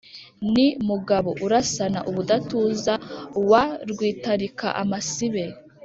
« Ni Mugabo urasana ubudatuza wa Rwitarika amasibe,